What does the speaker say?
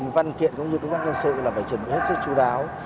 văn kiện cũng như công tác nhân sự là phải chuẩn bị hết sức chú đáo